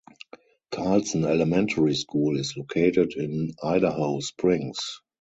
Carlson Elementary School is located in Idaho Springs.